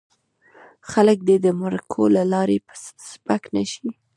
خلک دې د مرکو له لارې سپک نه شي.